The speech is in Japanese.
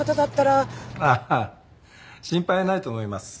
ああ心配ないと思います。